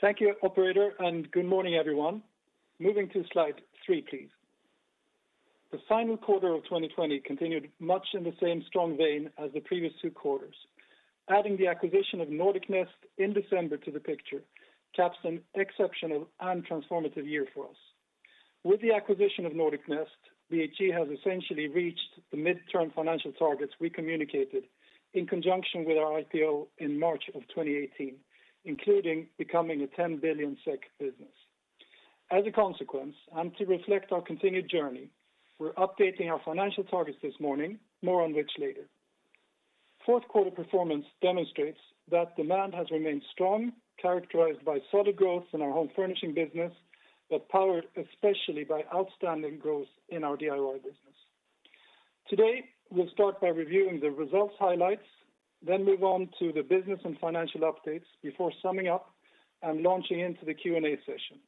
Thank you operator, and good morning everyone. Moving to slide three, please. The final quarter of 2020 continued much in the same strong vein as the previous two quarters. Adding the acquisition of Nordic Nest in December to the picture, caps an exceptional and transformative year for us. With the acquisition of Nordic Nest, BHG has essentially reached the midterm financial targets we communicated in conjunction with our IPO in March of 2018, including becoming a 10 billion SEK business. As a consequence, and to reflect our continued journey, we're updating our financial targets this morning, more on which later. Fourth quarter performance demonstrates that demand has remained strong, characterized by solid growth in our home furnishing business, but powered especially by outstanding growth in our DIY business. Today, we'll start by reviewing the results highlights, then move on to the business and financial updates before summing up and launching into the Q&A session.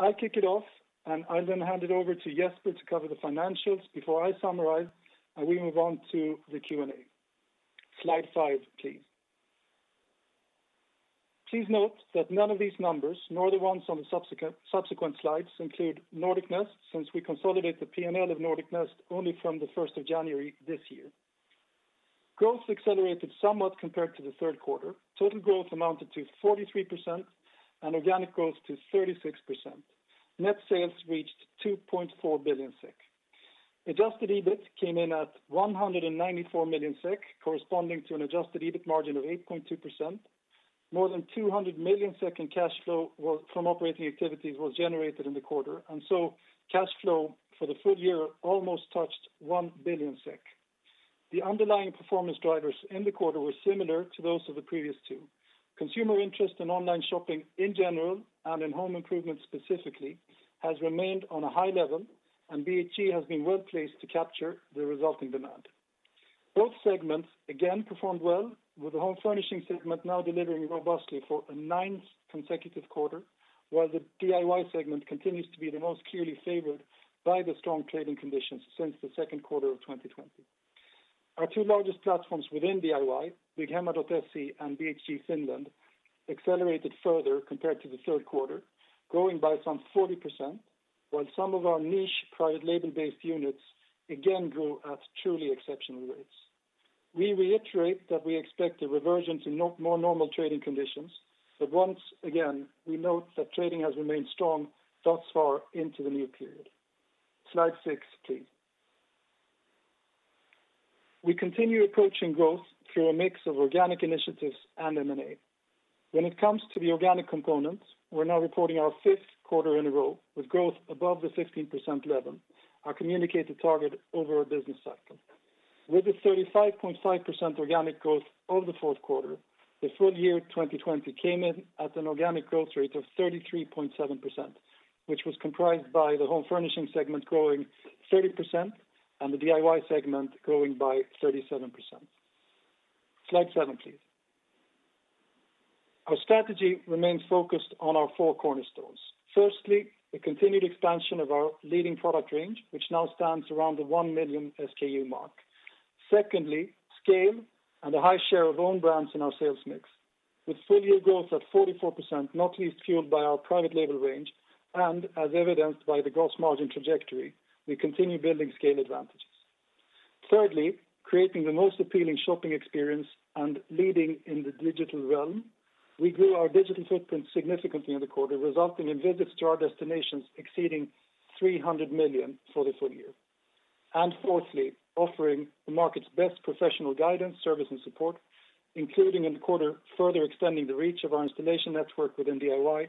I'll kick it off, and I'll then hand it over to Jesper to cover the financials before I summarize, and we move on to the Q&A. Slide five, please. Please note that none of these numbers, nor the ones on the subsequent slides include Nordic Nest, since we consolidate the P&L of Nordic Nest only from the 1st of January this year. Growth accelerated somewhat compared to the third quarter. Total growth amounted to 43% and organic growth to 36%. Net sales reached 2.4 billion. Adjusted EBIT came in at 194 million, corresponding to an adjusted EBIT margin of 8.2%. More than 200 million in cash flow from operating activities was generated in the quarter, and so cash flow for the full year almost touched 1 billion SEK. The underlying performance drivers in the quarter were similar to those of the previous two. Consumer interest in online shopping in general, and in home improvements specifically, has remained on a high level, and BHG has been well-placed to capture the resulting demand. Both segments again performed well, with the home furnishing segment now delivering robustly for a ninth consecutive quarter, while the DIY segment continues to be the most clearly favored by the strong trading conditions since the second quarter of 2020. Our two largest platforms within DIY, bygghemma.se and BHG Finland, accelerated further compared to the third quarter, growing by some 40%, while some of our niche private label-based units again grew at truly exceptional rates. We reiterate that we expect a reversion to more normal trading conditions, but once again, we note that trading has remained strong thus far into the new period. Slide six, please. We continue approaching growth through a mix of organic initiatives and M&A. When it comes to the organic component, we're now reporting our fifth quarter in a row with growth above the 16% level, our communicated target over a business cycle. With the 35.5% organic growth of the fourth quarter, the full year 2020 came in at an organic growth rate of 33.7%, which was comprised by the home furnishing segment growing 30% and the DIY segment growing by 37%. Slide seven, please. Our strategy remains focused on our four cornerstones. Firstly, the continued expansion of our leading product range, which now stands around the 1 million SKU mark. Secondly, scale and a high share of own brands in our sales mix. With full year growth at 44%, not least fueled by our private label range, and as evidenced by the gross margin trajectory, we continue building scale advantages. Thirdly, creating the most appealing shopping experience and leading in the digital realm. We grew our digital footprint significantly in the quarter, resulting in visits to our destinations exceeding 300 million for the full year. Fourthly, offering the market's best professional guidance, service, and support, including in the quarter further extending the reach of our installation network within DIY,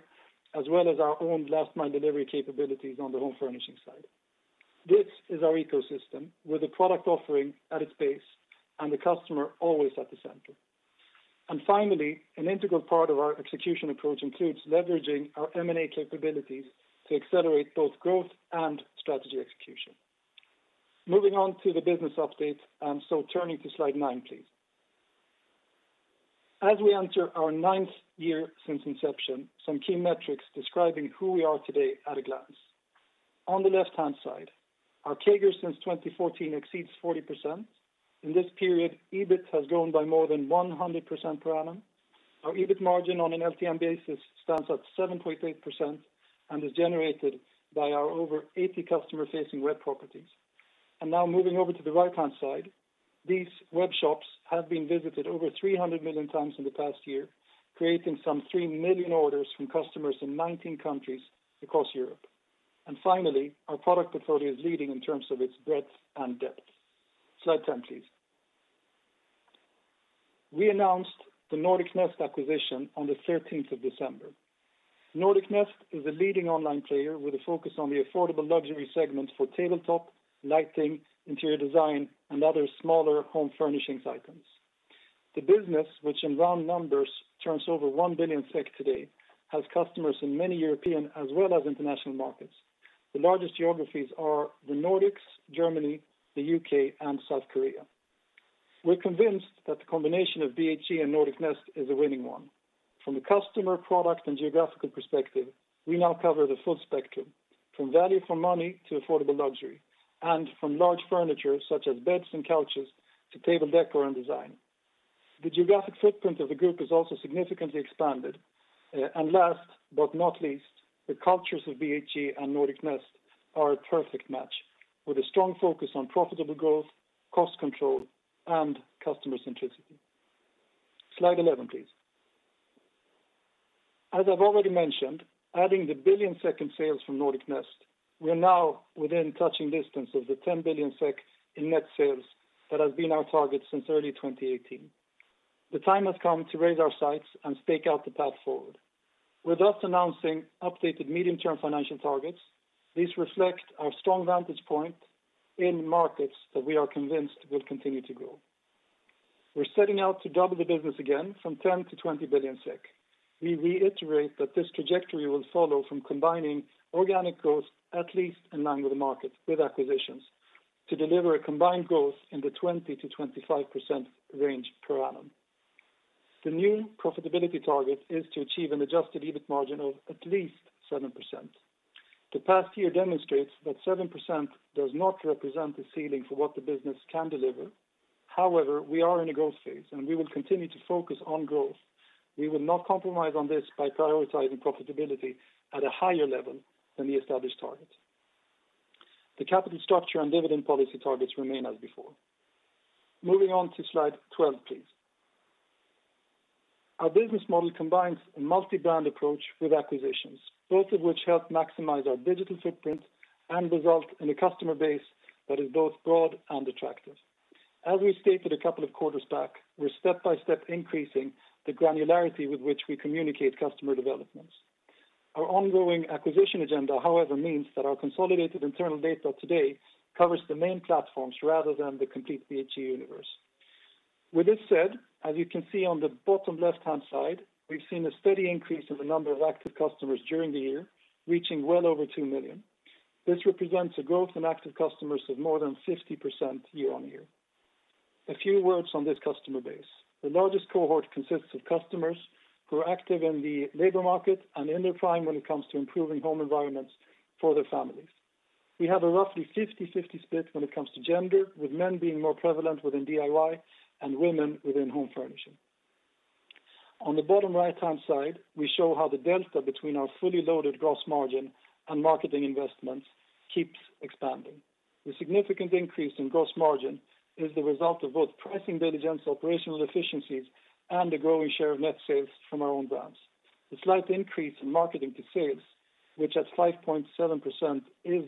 as well as our own last mile delivery capabilities on the home furnishing side. This is our ecosystem, with the product offering at its base and the customer always at the center. Finally, an integral part of our execution approach includes leveraging our M&A capabilities to accelerate both growth and strategy execution. Moving on to the business update, turning to slide nine, please. As we enter our ninth year since inception, some key metrics describing who we are today at a glance. On the left-hand side, our CAGR since 2014 exceeds 40%. In this period, EBIT has grown by more than 100% per annum. Our EBIT margin on an LTM basis stands at 7.8% and is generated by our over 80 customer-facing web properties. Now moving over to the right-hand side, these web shops have been visited over 300 million times in the past year, creating some 3 million orders from customers in 19 countries across Europe. Finally, our product portfolio is leading in terms of its breadth and depth. Slide 10, please. We announced the Nordic Nest acquisition on the 13th of December. Nordic Nest is a leading online player with a focus on the affordable luxury segment for tabletop, lighting, interior design, and other smaller home furnishings items. The business, which in round numbers turns over 1 billion SEK today, has customers in many European as well as international markets. The largest geographies are the Nordics, Germany, the U.K., and South Korea. We're convinced that the combination of BHG and Nordic Nest is a winning one. From a customer, product, and geographical perspective, we now cover the full spectrum. From value for money to affordable luxury, and from large furniture such as beds and couches to table decor and design. The geographic footprint of the group has also significantly expanded. Last but not least, the cultures of BHG and Nordic Nest are a perfect match, with a strong focus on profitable growth, cost control, and customer centricity. Slide 11, please. As I've already mentioned, adding the 1 billion in sales from Nordic Nest, we are now within touching distance of the 10 billion SEK in net sales that has been our target since early 2018. The time has come to raise our sights and stake out the path forward. With us announcing updated medium-term financial targets, these reflect our strong vantage point in markets that we are convinced will continue to grow. We're setting out to double the business again from 10 billion to 20 billion SEK. We reiterate that this trajectory will follow from combining organic growth, at least in line with the market, with acquisitions to deliver a combined growth in the 20%-25% range per annum. The new profitability target is to achieve an adjusted EBIT margin of at least 7%. The past year demonstrates that 7% does not represent the ceiling for what the business can deliver. However, we are in a growth phase, and we will continue to focus on growth. We will not compromise on this by prioritizing profitability at a higher level than the established target. The capital structure and dividend policy targets remain as before. Moving on to slide 12, please. Our business model combines a multi-brand approach with acquisitions, both of which help maximize our digital footprint and result in a customer base that is both broad and attractive. As we stated a couple of quarters back, we're step by step increasing the granularity with which we communicate customer developments. Our ongoing acquisition agenda, however, means that our consolidated internal data today covers the main platforms rather than the complete BHG universe. With this said, as you can see on the bottom left-hand side, we've seen a steady increase in the number of active customers during the year, reaching well over 2 million. This represents a growth in active customers of more than 50% year-on-year. A few words on this customer base. The largest cohort consists of customers who are active in the labor market and in their prime when it comes to improving home environments for their families. We have a roughly 50/50 split when it comes to gender, with men being more prevalent within DIY and women within home furnishing. On the bottom right-hand side, we show how the delta between our fully loaded gross margin and marketing investments keeps expanding. The significant increase in gross margin is the result of both pricing diligence, operational efficiencies, and a growing share of net sales from our own brands. The slight increase in marketing to sales, which at 5.7% is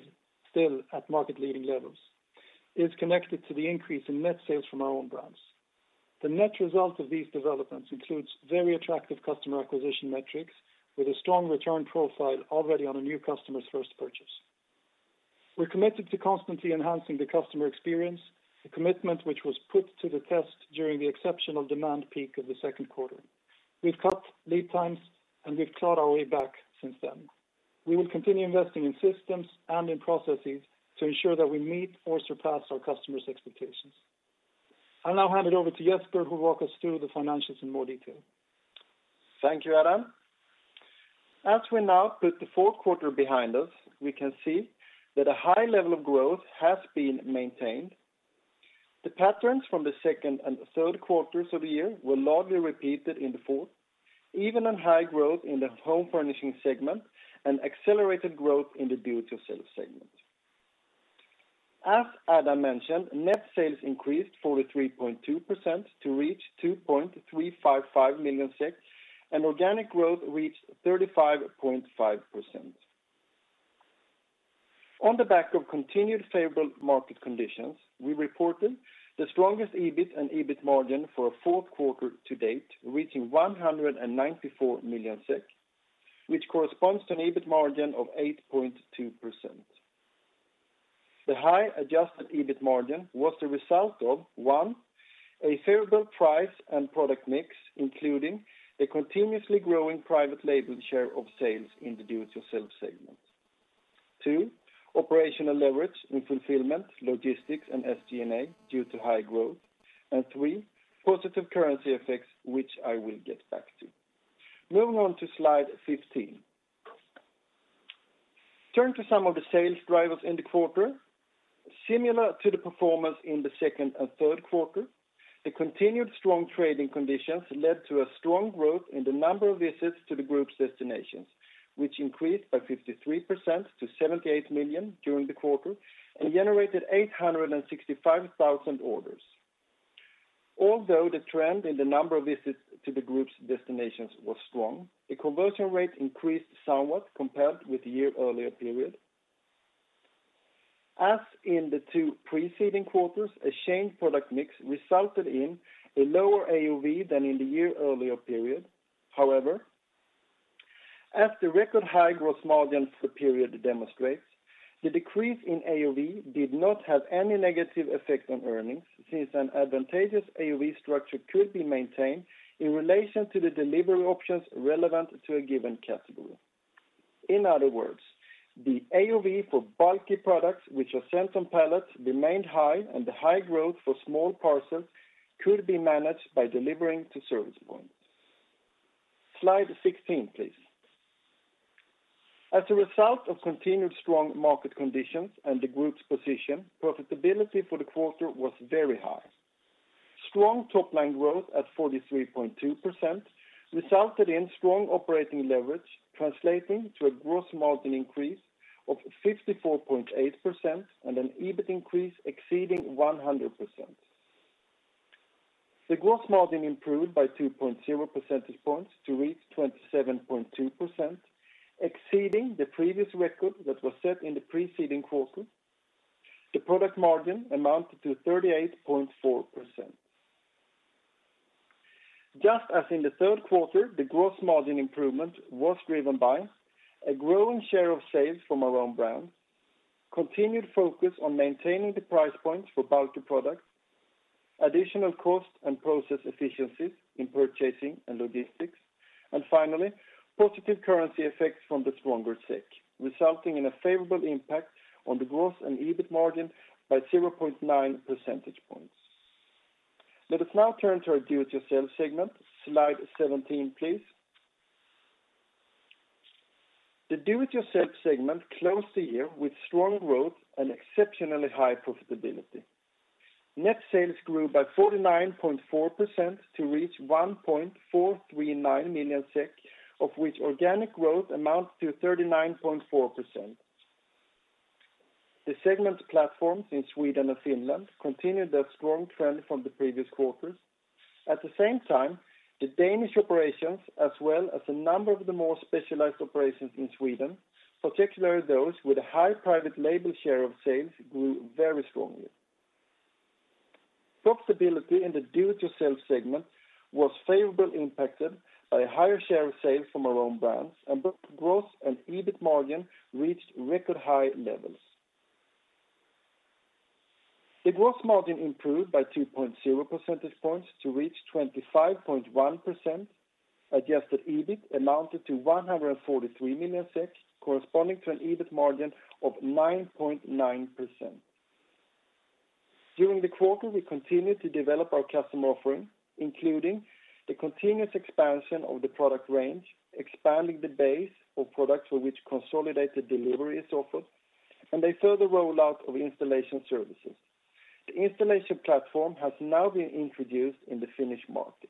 still at market leading levels, is connected to the increase in net sales from our own brands. The net result of these developments includes very attractive customer acquisition metrics with a strong return profile already on a new customer's first purchase. We're committed to constantly enhancing the customer experience, the commitment which was put to the test during the exceptional demand peak of the second quarter. We've cut lead times, and we've clawed our way back since then. We will continue investing in systems and in processes to ensure that we meet or surpass our customers' expectations. I'll now hand it over to Jesper, who'll walk us through the financials in more detail. Thank you, Adam. As we now put the fourth quarter behind us, we can see that a high level of growth has been maintained. The patterns from the second and third quarters of the year were largely repeated in the fourth, even on high growth in the home furnishing segment and accelerated growth in the do-it-yourself segment. As Adam mentioned, net sales increased 43.2% to reach 2.355 million, and organic growth reached 35.5%. On the back of continued favorable market conditions, we reported the strongest EBIT and EBIT margin for a fourth quarter to date, reaching 194 million SEK, which corresponds to an EBIT margin of 8.2%. The high adjusted EBIT margin was the result of, one, a favorable price and product mix, including a continuously growing private label share of sales in the do-it-yourself segment. Two, operational leverage in fulfillment, logistics, and SG&A due to high growth. Three, positive currency effects, which I will get back to. Moving on to slide 15. Turning to some of the sales drivers in the quarter. Similar to the performance in the second and third quarter, the continued strong trading conditions led to a strong growth in the number of visits to the group's destinations, which increased by 53% to 78 million during the quarter and generated 865,000 orders. Although the trend in the number of visits to the group's destinations was strong, the conversion rate increased somewhat compared with the year earlier period. As in the two preceding quarters, a changed product mix resulted in a lower AOV than in the year earlier period. However, as the record high gross margin for the period demonstrates, the decrease in AOV did not have any negative effect on earnings, since an advantageous AOV structure could be maintained in relation to the delivery options relevant to a given category. In other words, the AOV for bulky products which are sent on pallets remained high, and the high growth for small parcels could be managed by delivering to service points. Slide 16, please. As a result of continued strong market conditions and the group's position, profitability for the quarter was very high. Strong top-line growth at 43.2% resulted in strong operating leverage translating to a gross margin increase of 54.8% and an EBIT increase exceeding 100%. The gross margin improved by 2.0 percentage points to reach 27.2%, exceeding the previous record that was set in the preceding quarter. The product margin amounted to 38.4%. Just as in the third quarter, the gross margin improvement was driven by a growing share of sales from our own brand, continued focus on maintaining the price points for bulky products, additional cost and process efficiencies in purchasing and logistics, and finally, positive currency effects from the stronger SEK, resulting in a favorable impact on the gross and EBIT margin by 0.9 percentage points. Let us now turn to our do-it-yourself segment. Slide 17, please. The do-it-yourself segment closed the year with strong growth and exceptionally high profitability. Net sales grew by 49.4% to reach 1,439 million, of which organic growth amounts to 39.4%. The segment platforms in Sweden and Finland continued their strong trend from the previous quarters. At the same time, the Danish operations, as well as a number of the more specialized operations in Sweden, particularly those with a high private label share of sales, grew very strongly. Profitability in the do-it-yourself segment was favorably impacted by a higher share of sales from our own brands, and both gross and EBIT margin reached record high levels. The gross margin improved by 2.0 percentage points to reach 25.1%. Adjusted EBIT amounted to 143 million SEK, corresponding to an EBIT margin of 9.9%. During the quarter, we continued to develop our customer offering, including the continuous expansion of the product range, expanding the base of products for which consolidated delivery is offered, and a further rollout of installation services. The installation platform has now been introduced in the Finnish market.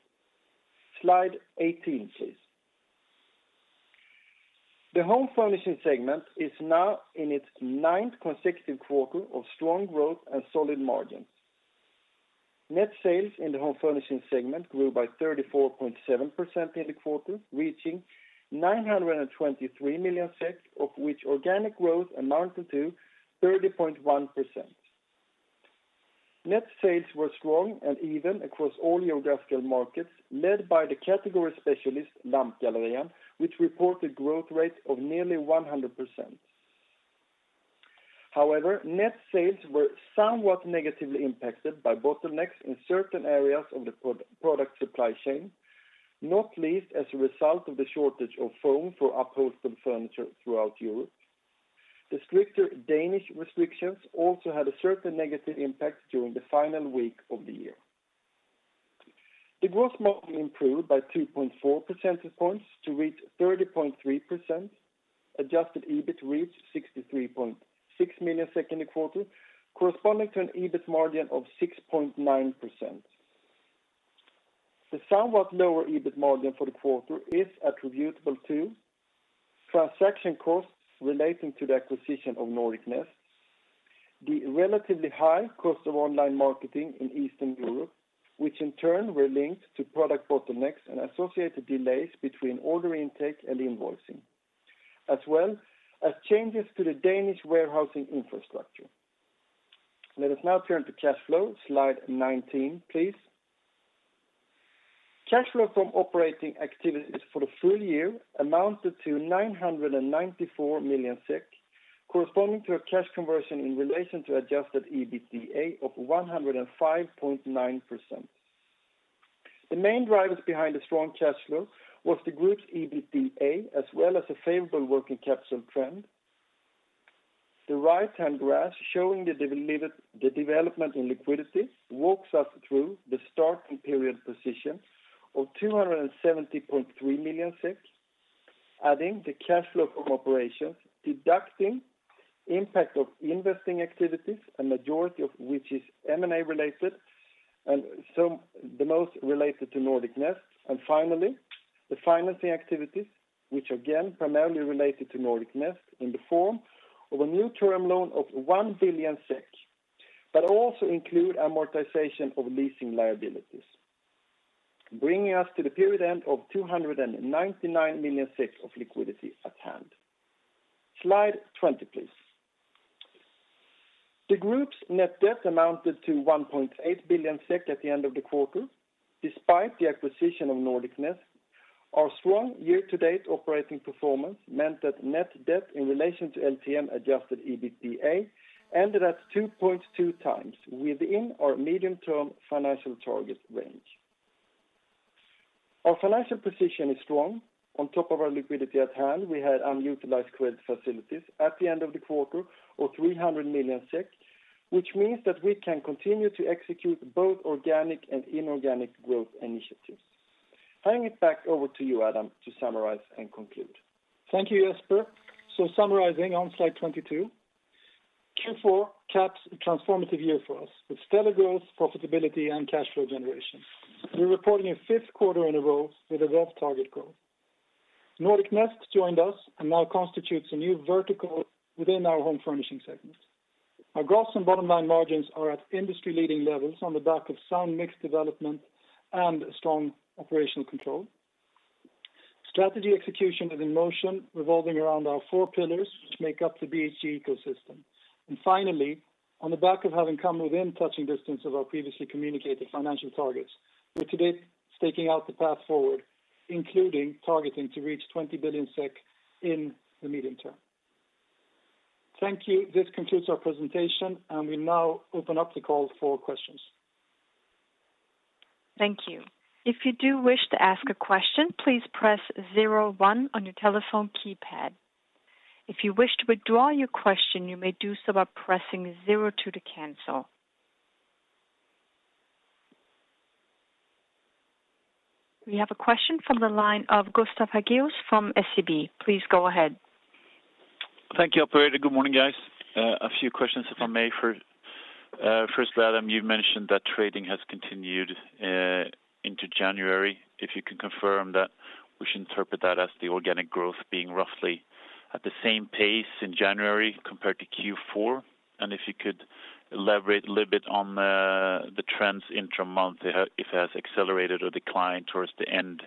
Slide 18, please. The home furnishing segment is now in its ninth consecutive quarter of strong growth and solid margins. Net sales in the home furnishing segment grew by 34.7% in the quarter, reaching 923 million SEK, of which organic growth amounted to 30.1%. Net sales were strong and even across all geographical markets, led by the category specialist, LampGallerian, which reported growth rate of nearly 100%. However, net sales were somewhat negatively impacted by bottlenecks in certain areas of the product supply chain, not least as a result of the shortage of foam for upholstered furniture throughout Europe. The stricter Danish restrictions also had a certain negative impact during the final week of the year. The gross margin improved by 2.4 percentage points to reach 30.3%. Adjusted EBIT reached 63.6 million SEK in the quarter, corresponding to an EBIT margin of 6.9%. The somewhat lower EBIT margin for the quarter is attributable to transaction costs relating to the acquisition of Nordic Nest, the relatively high cost of online marketing in Eastern Europe, which in turn were linked to product bottlenecks and associated delays between order intake and invoicing, as well as changes to the Danish warehousing infrastructure. Let us now turn to cash flow. Slide 19, please. Cash flow from operating activities for the full year amounted to 994 million SEK, corresponding to a cash conversion in relation to adjusted EBITDA of 105.9%. The main drivers behind the strong cash flow was the group's EBITDA, as well as a favorable working capital trend. The right-hand graph showing the development in liquidity walks us through the starting period position of 270.3 million, adding the cash flow from operations, deducting impact of investing activities, a majority of which is M&A related, and the most related to Nordic Nest. Finally, the financing activities, which again, primarily related to Nordic Nest in the form of a new term loan of 1 billion SEK, but also include amortization of leasing liabilities, bringing us to the period end of 299 million SEK of liquidity at hand. Slide 20, please. The group's net debt amounted to 1.8 billion SEK at the end of the quarter. Despite the acquisition of Nordic Nest, our strong year-to-date operating performance meant that net debt in relation to LTM adjusted EBITDA ended at 2.2 times within our medium-term financial target range. Our financial position is strong. On top of our liquidity at hand, we had unutilized credit facilities at the end of the quarter of 300 million SEK. Which means that we can continue to execute both organic and inorganic growth initiatives. Handing it back over to you, Adam, to summarize and conclude. Thank you, Jesper. Summarizing on slide 22, Q4 caps a transformative year for us with stellar growth, profitability, and cash flow generation. We're reporting a fifth quarter in a row with above-target growth. Nordic Nest joined us and now constitutes a new vertical within our home furnishing segment. Our gross and bottom-line margins are at industry-leading levels on the back of sound mix development and strong operational control. Strategy execution is in motion, revolving around our four pillars which make up the BHG ecosystem. Finally, on the back of having come within touching distance of our previously communicated financial targets, we're today staking out the path forward, including targeting to reach 20 billion SEK in the medium term. Thank you. This concludes our presentation, and we now open up the call for questions. Thank you. If you do wish to ask a question, please press zero one on your telephone keypad. If you wish to withdraw your question, you may do so by pressing zero two to cancel. We have a question from the line of Gustav Hagios from SEB. Please go ahead. Thank you, operator. Good morning, guys. A few questions, if I may. First, Adam, you mentioned that trading has continued into January. If you can confirm that, we should interpret that as the organic growth being roughly at the same pace in January compared to Q4? If you could elaborate a little bit on the trends intra-month, if it has accelerated or declined towards the end.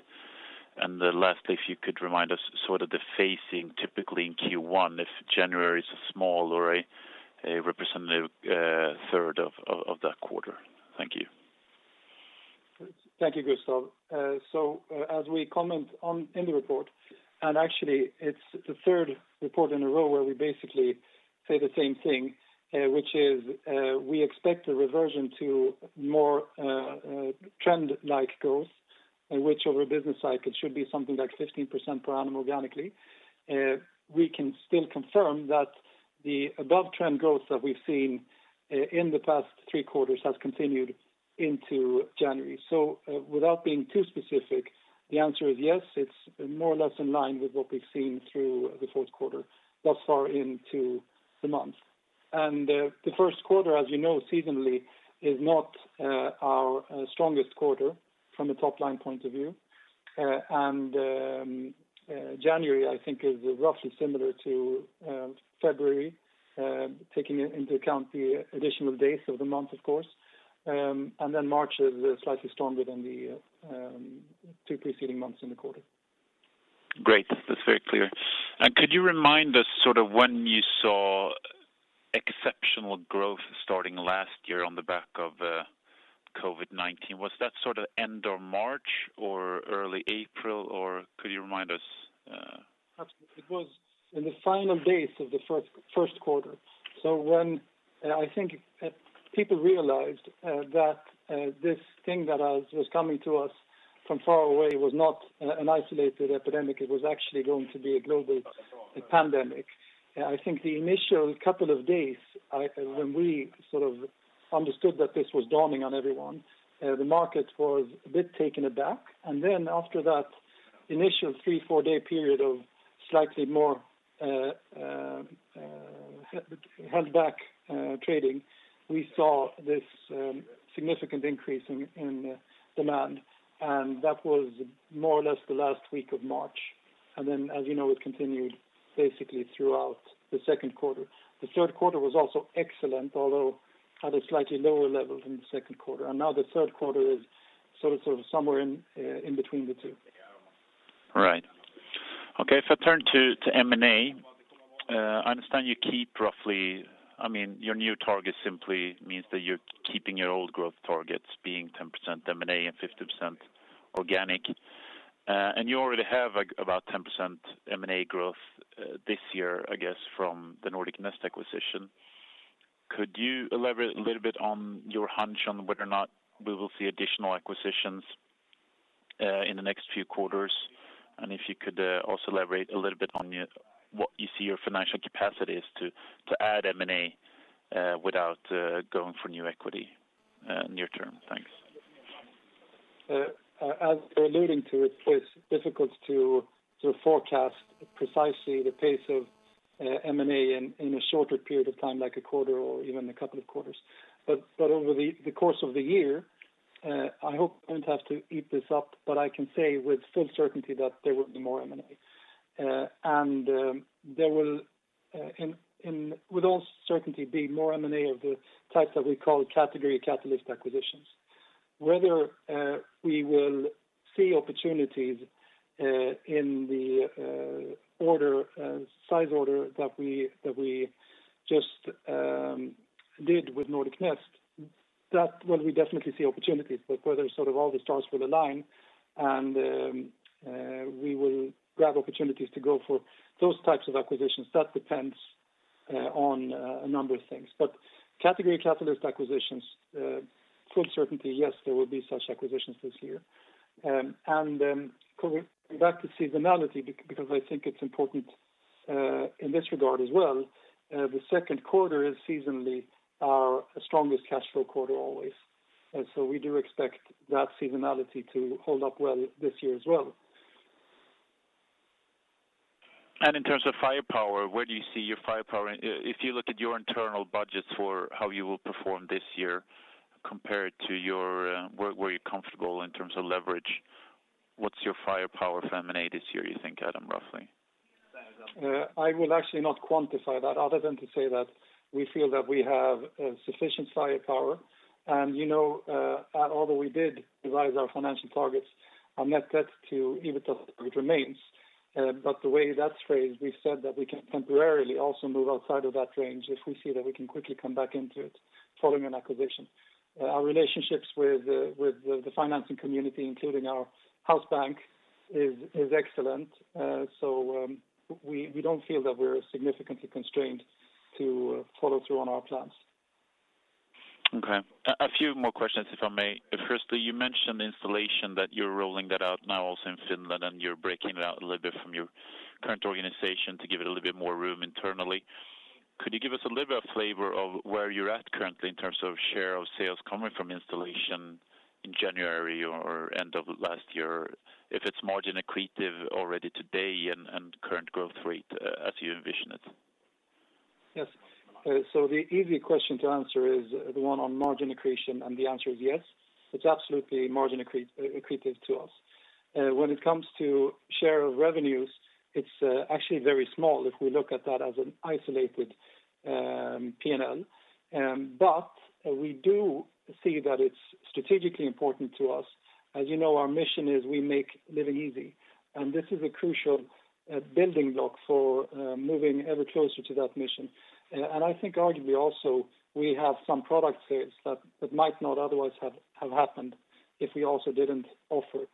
Lastly, if you could remind us sort of the phasing typically in Q1, if January is a small or a representative third of that quarter. Thank you. Thank you, Gustav. As we comment in the report, and actually it's the third report in a row where we basically say the same thing, which is we expect a reversion to more trend-like growth, which over a business cycle should be something like 15% per annum organically. We can still confirm that the above-trend growth that we've seen in the past three quarters has continued into January. Without being too specific, the answer is yes, it's more or less in line with what we've seen through the fourth quarter thus far into the month. The first quarter, as you know, seasonally, is not our strongest quarter from a top-line point of view. January, I think is roughly similar to February, taking into account the additional days of the month, of course. March is slightly stronger than the two preceding months in the quarter. Great. That's very clear. Could you remind us when you saw exceptional growth starting last year on the back of COVID-19? Was that end of March or early April, or could you remind us? Absolutely. It was in the final days of the first quarter. When I think people realized that this thing that was coming to us from far away was not an isolated epidemic, it was actually going to be a global pandemic. I think the initial couple of days when we sort of understood that this was dawning on everyone, the market was a bit taken aback, and then after that initial three, four-day period of slightly more held back trading, we saw this significant increase in demand, and that was more or less the last week of March. Then, as you know, it continued basically throughout the second quarter. The third quarter was also excellent, although at a slightly lower level than the second quarter. Now the third quarter is sort of somewhere in between the two. Right. Okay. If I turn to M&A, I understand you keep roughly-- Your new target simply means that you're keeping your old growth targets being 10% M&A and 50% organic. You already have about 10% M&A growth this year, I guess, from the Nordic Nest acquisition. Could you elaborate a little bit on your hunch on whether or not we will see additional acquisitions in the next few quarters? If you could also elaborate a little bit on what you see your financial capacity is to add M&A without going for new equity near term. Thanks. As we're alluding to, it is difficult to forecast precisely the pace of M&A in a shorter period of time, like a quarter or even a couple of quarters. Over the course of the year, I hope I don't have to eat this up, but I can say with full certainty that there will be more M&A. There will, with all certainty, be more M&A of the types that we call category catalyst acquisitions. Whether we will see opportunities in the size order that we just did with Nordic Nest, that one we definitely see opportunities, but whether sort of all the stars will align and we will grab opportunities to go for those types of acquisitions, that depends on a number of things. category catalyst acquisitions, full certainty, yes, there will be such acquisitions this year. Coming back to seasonality, because I think it's important in this regard as well. The second quarter is seasonally our strongest cash flow quarter always. We do expect that seasonality to hold up well this year as well. In terms of firepower, where do you see your firepower? If you look at your internal budgets for how you will perform this year compared to where you're comfortable in terms of leverage, what's your firepower for M&A this year, you think, Adam, roughly? I will actually not quantify that other than to say that we feel that we have sufficient firepower and although we did revise our financial targets on net debt to EBITDA, it remains. The way that's phrased, we've said that we can temporarily also move outside of that range if we see that we can quickly come back into it following an acquisition. Our relationships with the financing community, including our house bank, is excellent. We don't feel that we're significantly constrained to follow through on our plans. Okay. A few more questions, if I may. Firstly, you mentioned installation, that you're rolling that out now also in Finland, and you're breaking it out a little bit from your current organization to give it a little bit more room internally. Could you give us a little bit of flavor of where you're at currently in terms of share of sales coming from installation in January or end of last year? If it's margin accretive already today and current growth rate as you envision it. Yes. The easy question to answer is the one on margin accretion, and the answer is yes, it's absolutely margin accretive to us. When it comes to share of revenues, it's actually very small if we look at that as an isolated P&L. We do see that it's strategically important to us. As you know, our mission is we make living easy, and this is a crucial building block for moving ever closer to that mission. I think arguably also we have some product sales that might not otherwise have happened if we also didn't offer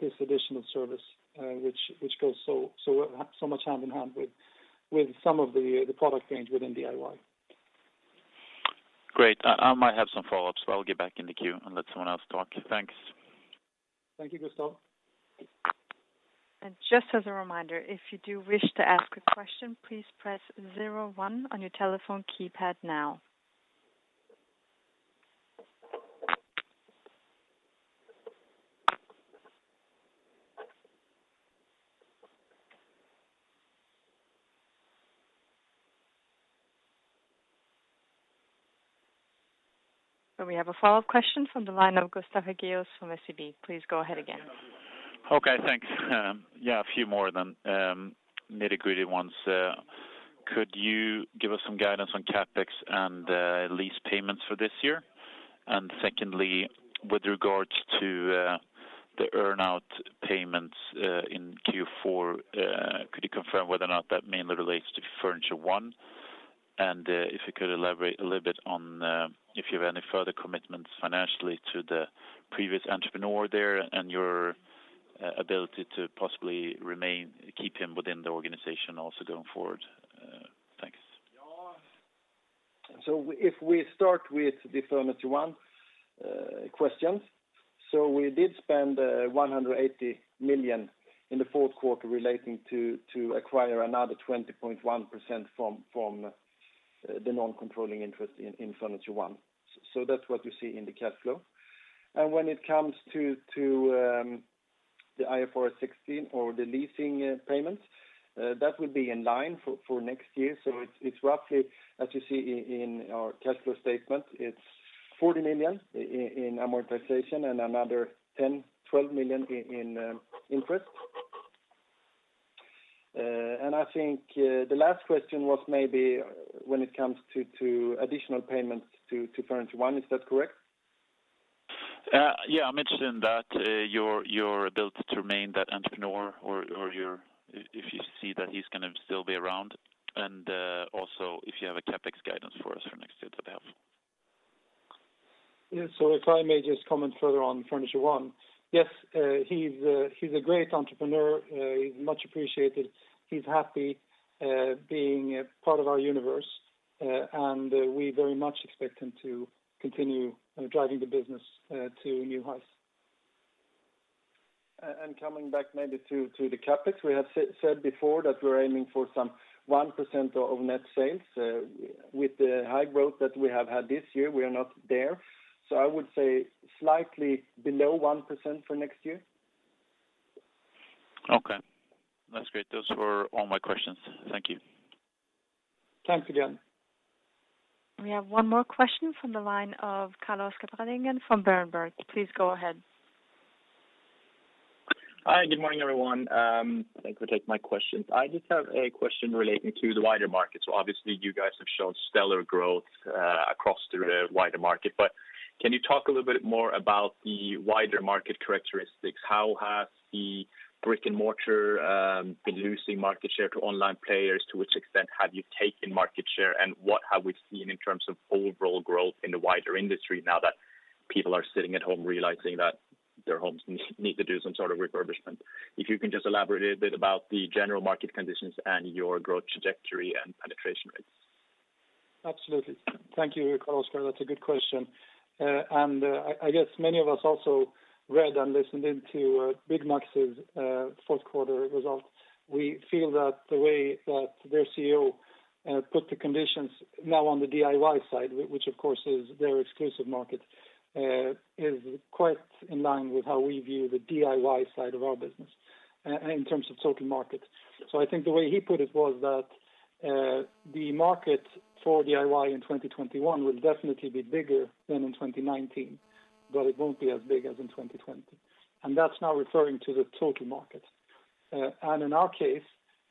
this additional service which goes so much hand-in-hand with some of the product range within DIY. Great. I might have some follow-ups, but I'll get back in the queue and let someone else talk. Thanks. Thank you, Gustav. Just as a reminder, if you do wish to ask a question, please press zero one on your telephone keypad now. We have a follow-up question from the line of Gustav Hagios from SEB. Please go ahead again. Okay, thanks. Yeah, a few more of the nitty-gritty ones. Could you give us some guidance on CapEx and the lease payments for this year? Secondly, with regards to the earn-out payments in Q4, could you confirm whether or not that mainly relates to Furniture1? If you could elaborate a little bit on if you have any further commitments financially to the previous entrepreneur there and your ability to possibly keep him within the organization also going forward. Thanks. If we start with the Furniture1 questions. We did spend 180 million in the fourth quarter relating to acquire another 20.1% from the non-controlling interest in Furniture1. That's what you see in the cash flow. When it comes to the IFRS 16 or the leasing payments, that will be in line for next year. It's roughly as you see in our cash flow statement, it's 40 million in amortization and another 10 million, 12 million in interest. I think the last question was maybe when it comes to additional payments to Furniture1, is that correct? Yeah, mentioning that your ability to remain that entrepreneur or if you see that he's going to still be around and also if you have a CapEx guidance for us for next year, that'd be helpful. Yeah. If I may just comment further on Furniture1. Yes, he's a great entrepreneur. He's much appreciated. He's happy being part of our universe, and we very much expect him to continue driving the business to new heights. Coming back maybe to the CapEx, we have said before that we're aiming for some 1% of net sales. With the high growth that we have had this year, we are not there. I would say slightly below 1% for next year. Okay. That's great. Those were all my questions. Thank you. Thanks again. We have one more question from the line of Carlos Oscar from Berenberg. Hi, good morning everyone. Thanks for taking my question. I just have a question related to the wider market. So, obviously you guys have shown stellar growth across the wider market, but can you talk a little bit more about the wider market characteristics? How have the brick and mortar introducing market share for online players? To which extent have you taken market share, and what have we seen in terms of overall growth in the wider industry now that people are sitting at home realizing that there obviously need to do some sort of refurbishment? If you can just elaborate a bit about the general market conditions and your growth trajectory and beneficiary. Absolutely. Thank you, Carlos Oscar. That's a good question. I guess many of us also read and listened into Byggmax's fourth quarter results. We feel that the way that their CEO put the conditions now on the DIY side, which of course is their exclusive market, is quite in line with how we view the DIY side of our business in terms of total markets. I think the way he put it was that the market for DIY in 2021 will definitely be bigger than in 2019, but it won't be as big as in 2020. That's now referring to the total market. In our case,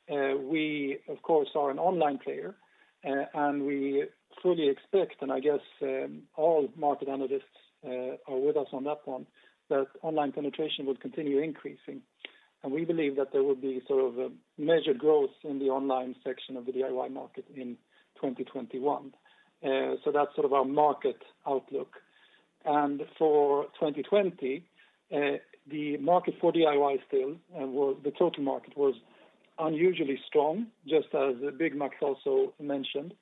we of course, are an online player, and we truly expect, and I guess all market analysts are with us on that one, that online penetration will continue increasing. We believe that there will be a measured growth in the online section of the DIY market in 2021. That's our market outlook. For 2020, the market for DIY still, the total market was unusually strong, just as Byggmax also mentioned.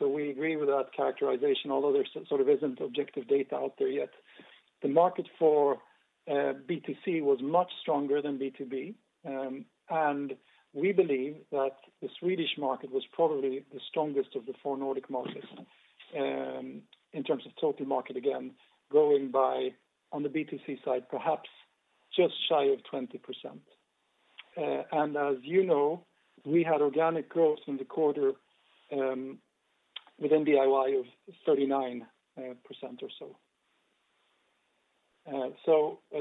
We agree with that characterization, although there sort of isn't objective data out there yet. The market for B2C was much stronger than B2B, and we believe that the Swedish market was probably the strongest of the four Nordic markets in terms of total market, again, going by on the B2C side, perhaps just shy of 20%. As you know, we had organic growth in the quarter within DIY of 39% or so.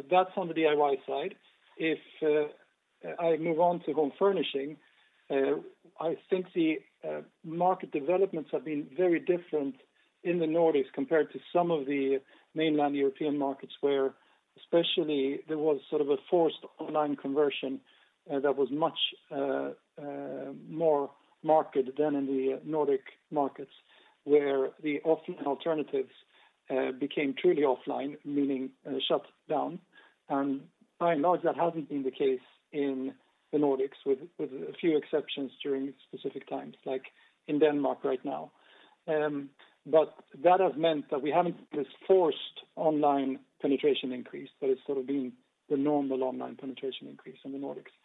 That's on the DIY side. If I move on to home furnishing, I think the market developments have been very different in the Nordics compared to some of the mainland European markets where especially there was sort of a forced online conversion that was much more marked than in the Nordic markets where the offline alternatives became truly offline, meaning shut down. By and large, that hasn't been the case in the Nordics with a few exceptions during specific times like in Denmark right now. That has meant that we haven't this forced online penetration increase, but it's sort of been the normal online penetration increase in the Nordics.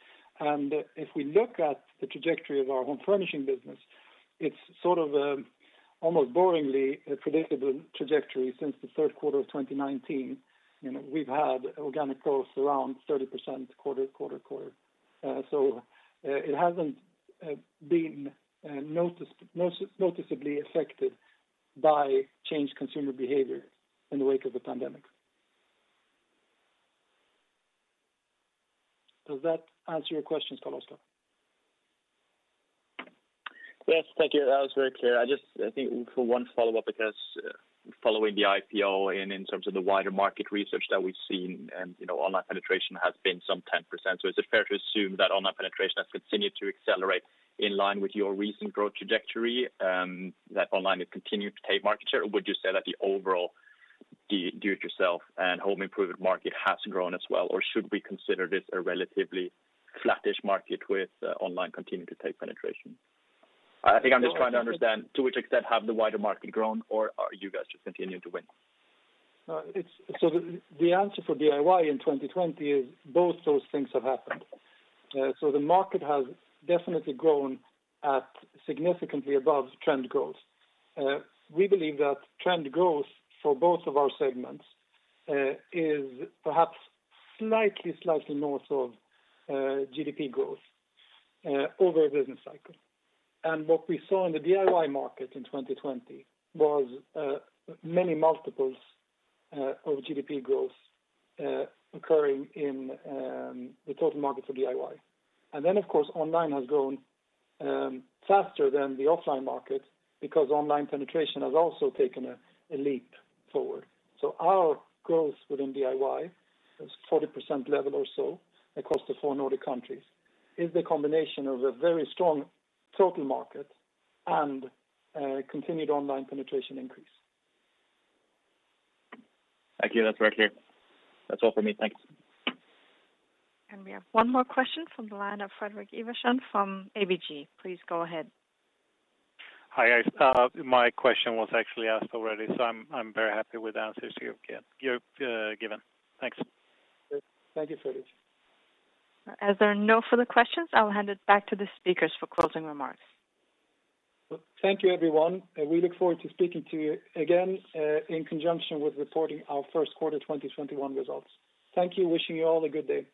If we look at the trajectory of our home furnishing business, it's almost boringly predictable trajectory since the third quarter of 2019. We've had organic growth around 30% quarter to quarter. It hasn't been noticeably affected by changed consumer behavior in the wake of the pandemic. Does that answer your question, Carl-Oscar? Yes. Thank you. That was very clear. I think for one follow-up because following the IPO, in terms of the wider market research that we've seen, online penetration has been some 10%. Is it fair to assume that online penetration has continued to accelerate in line with your recent growth trajectory? That online has continued to take market share? Would you say that the overall do it yourself and home improvement market has grown as well? Should we consider this a relatively flattish market with online continuing to take penetration? I think I'm just trying to understand to which extent have the wider market grown or are you guys just continuing to win? The answer for DIY in 2020 is both those things have happened. The market has definitely grown at significantly above trend growth. We believe that trend growth for both of our segments is perhaps slightly north of GDP growth over a business cycle. What we saw in the DIY market in 2020 was many multiples of GDP growth occurring in the total market for DIY. Then of course, online has grown faster than the offline market because online penetration has also taken a leap forward. Our growth within DIY is 40% level or so across the four Nordic countries, is the combination of a very strong total market and continued online penetration increase. Thank you. That's very clear. That's all for me. Thanks. We have one more question from the line of Fredrik Ivarsson from ABG. Please go ahead. Hi guys. My question was actually asked already, so I'm very happy with the answers you've given. Thanks. Thank you, Fredrik. As there are no further questions, I will hand it back to the speakers for closing remarks. Thank you everyone. We look forward to speaking to you again in conjunction with reporting our first quarter 2021 results. Thank you. Wishing you all a good day.